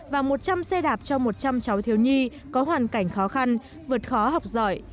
và một trăm linh xe đạp cho một trăm linh cháu thiếu nhi có hoàn cảnh khó khăn vượt khó học giỏi